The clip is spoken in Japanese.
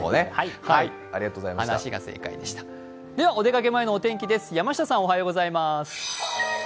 お出かけ前のお天気です。